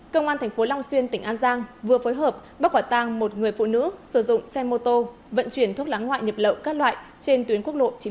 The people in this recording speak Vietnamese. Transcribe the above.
công an thành phố long xuyên tỉnh an giang vừa phối hợp bắc quả tăng một người phụ nữ sử dụng xe mô tô vận chuyển thuốc láng ngoại nhập lậu các loại trên tuyến quốc lộ chín mươi một